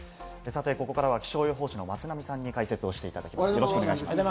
さて、ここからは気象予報士の松並さんに解説をしていただきます。